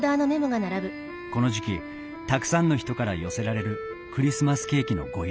この時期たくさんの人から寄せられるクリスマスケーキのご依頼。